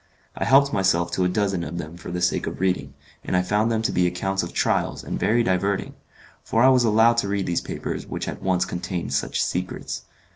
I helped myself to a dozen of them for the sake of the reading, and I found them to be accounts of trials, and very diverting; for I was allowed to read these papers, which had once contained such secrets.